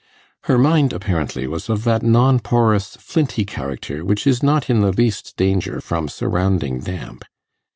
Her mind, apparently, was of that non porous flinty character which is not in the least danger from surrounding damp.